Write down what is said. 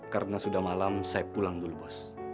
karena sudah malam saya pulang dulu bos